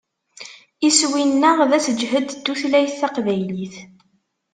Iswi-nneɣ d aseǧhed n tutlayt taqbaylit.